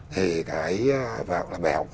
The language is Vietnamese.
thì cái bài học